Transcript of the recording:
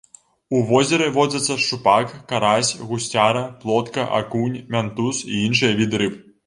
У возеры водзяцца шчупак, карась, гусцяра, плотка, акунь, мянтуз і іншыя віды рыб.